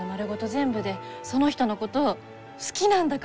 全部でその人のこと好きなんだからさ！